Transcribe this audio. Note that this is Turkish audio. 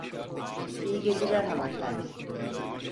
İyi geceler hanımefendi.